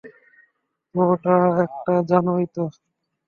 তো, ওটা একটা, জানোই তো।